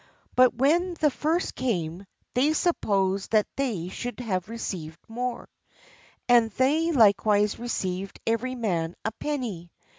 But when the first came, they supposed that they should have received more; and they likewise received every man a penny.